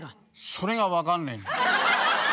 それが分かんねえんだ。